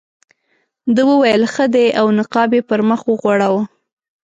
ده وویل ښه دی او نقاب یې پر مخ وغوړاوه.